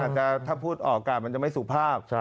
อาจจะถ้าพูดออกก่อนมันจะไม่สุภาพ